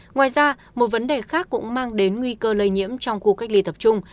ngoài ra một vấn đề khác cũng mang đến nguy cơ lây nhiễm trong khu cách ly tập trung